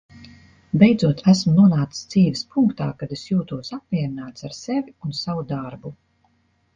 Beidzot esmu nonācis dzīves punktā, kad es jūtos apmierināts ar sevi un savu darbu.